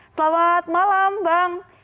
selamat malam bang